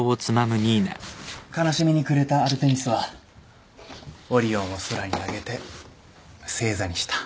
悲しみに暮れたアルテミスはオリオンを空に上げて星座にした。